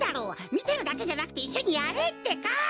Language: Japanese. みてるだけじゃなくていっしょにやれってか！